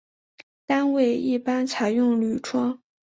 单位一般采用铝窗。